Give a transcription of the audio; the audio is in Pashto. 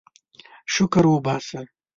شکر وباسه.